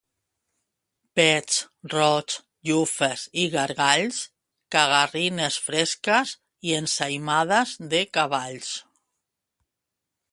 Pets, rots, llufes i gargalls, cagarrines fresques i ensaïmades de cavalls.